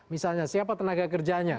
misalnya siapa tenaga kerjanya